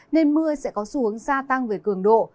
nên mưa sẽ có xu hướng gia tăng về cường độ